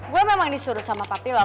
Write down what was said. gue memang disuruh sama papi lo